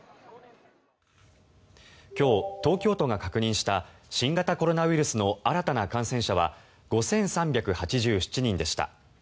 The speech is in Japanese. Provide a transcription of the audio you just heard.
今日、東京都が確認した新型コロナウイルスの新たな感染者は５３８７人でした。